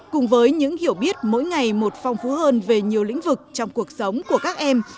cùng với những hiểu biết mỗi ngày một phong phú hơn về nhiều lĩnh vực trong cuộc sống của các em